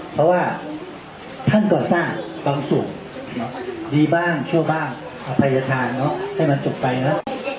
เพราะว่าท่านก็สร้างกลัวสูงเนอะดีบ้างเช่าบ้างอะไรอาจารย์ทายเนอะให้มันจุดไปเนอะ